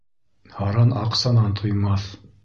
Һаран аҡсанан туймаҫ.